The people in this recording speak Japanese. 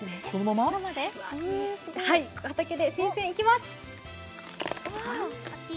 畑で新鮮、いきます！